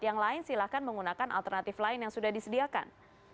yang lain silahkan menggunakan alternatif lain yang sudah disediakan